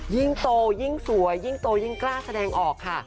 ยิ่งโตยิ่งสวยยิ่งโตยิ่งกล้าแสดงออกค่ะ